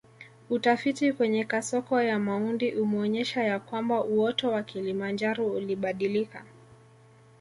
Utafiti kwenye kasoko ya Maundi umeonyesha ya kwamba uoto wa Kilimanjaro ulibadilika